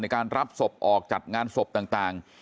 การรับศพออกจัดงานศพต่าง